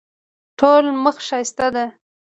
ټوله مخ ښایسته ده.